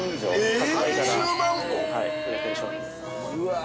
◆発売から売れている商品です。